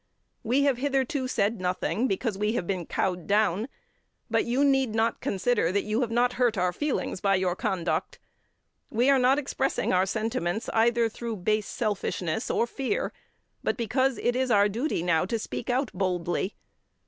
We have hitherto said nothing, because we have been cowed down, but you need not consider that you have not hurt our feelings by your conduct. We are not expressing our sentiments either through base selfishness or fear, but because it is our duty now to speak out boldly.